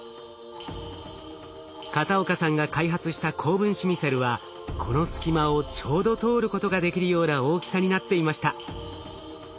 片岡さんが開発した高分子ミセルはこの隙間をちょうど通ることができるような大きさになっていました。